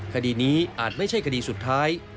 คดีนี้อาจไม่ใช่คดีสุดท้าย